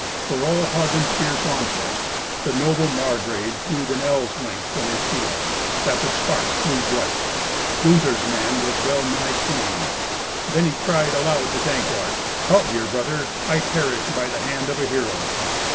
For all Hagen's fierce onset, the noble Margrave hewed an ell's length from his shield, that the sparks flew bright. Gunther's man was well nigh slain. Then he cried aloud to Dankwart, "Help! dear brother. I perish by the hand of a hero."